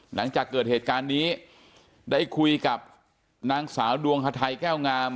หลังจากเกิดเหตุการณ์นี้ได้คุยกับนางสาวดวงฮาไทยแก้วงาม